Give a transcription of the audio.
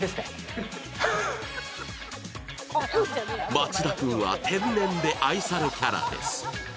松田君は天然で愛されキャラです。